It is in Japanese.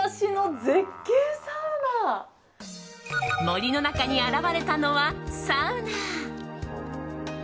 森の中に現れたのは、サウナ！